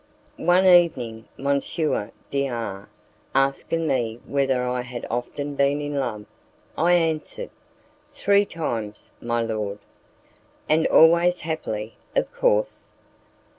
One evening M. D R asking me whether I had often been in love, I answered, "Three times, my lord." "And always happily, of course."